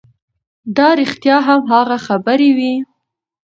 دا رښتیا هم هغه خبرې وې